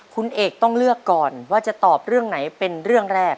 คุณเอกต้องเลือกก่อนว่าจะตอบเรื่องไหนเป็นเรื่องแรก